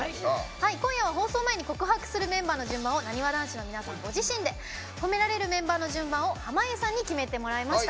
今夜は放送前に告白するメンバーの順番をなにわ男子の皆さんご自身で褒められるメンバーの順番を濱家さんに決めてもらいました。